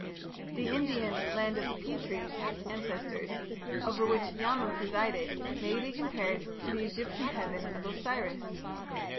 The Indian "Land of the Pitris" (Ancestors), over which Yama presided, may be compared to the Egyptian heaven of Osiris.